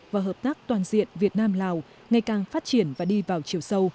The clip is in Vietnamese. và hợp tác toàn diện việt nam lào ngày càng phát triển và đi vào chiều sâu